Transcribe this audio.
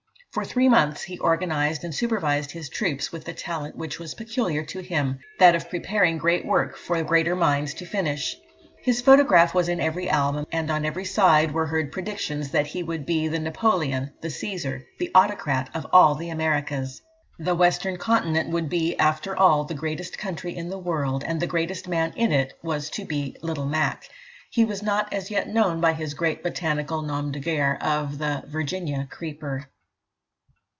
For three months he organised and supervised his troops with the talent which was peculiar to him that of preparing great work for greater minds to finish. His photograph was in every album, and on every side were heard predictions that he would be the Napoleon, the Cæsar, the Autocrat of all the Americas. The Western Continent would be, after all, the greatest country in the world, and the greatest man in it was to be "Little Mac." He was not as yet known by his great botanical nom de guerre of the Virginian Creeper.